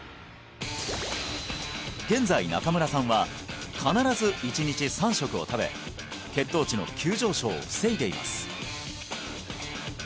現在中村さんは必ず１日３食を食べ血糖値の急上昇を防いでいます